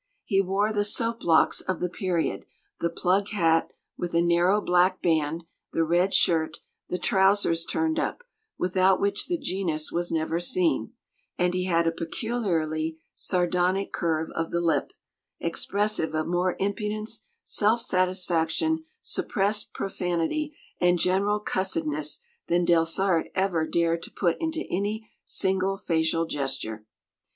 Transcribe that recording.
He wore the "soap locks" of the period, the "plug hat," with a narrow black band, the red shirt, the trousers turned up without which the genus was never seen and he had a peculiarly sardonic curve of the lip, expressive of more impudence, self satisfaction, suppressed profanity, and "general cussedness" than Delsarte ever dared to put into any single facial gesture.